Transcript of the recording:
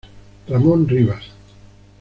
Ramón Rivas.